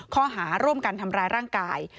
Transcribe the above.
ข้อหาร่วมกันทำร้ายร่างกาย